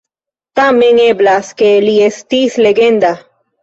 Tamen eblas ke li estis legenda.